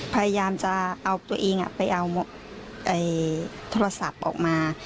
พยายามจะเอาตัวเองไปเอาโทรศัพท์ออกมา